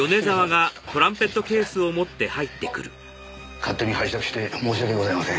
勝手に拝借して申し訳ございません。